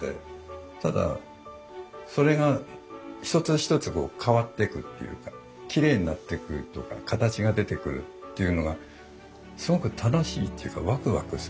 ただそれが一つ一つ変わってくっていうかきれいになってくとか形が出てくるっていうのがすごく楽しいっていうかワクワクするというか。